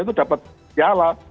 itu dapat piala